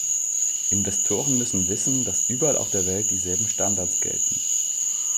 Investoren müssen wissen, dass überall auf der Welt dieselben Standards gelten.